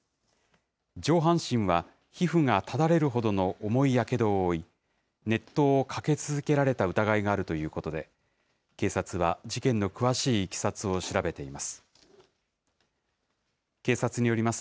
上半身は皮膚がただれるほどの重いやけどを負い、熱湯をかけ続けられた疑いがあるということで、警察は事件の詳しいいきさつを調べています。